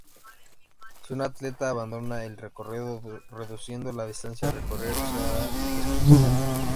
Si un Atleta abandona el recorrido, reduciendo la distancia a recorrer será descalificado.